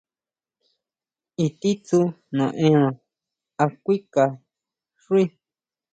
¿I titsú naʼenna a kuinʼka xuí.